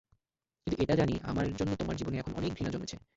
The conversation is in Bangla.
কিন্তু এটা জানি আমার জন্য তোমার জীবনে এখন অনেক ঘৃণা জন্মেছে।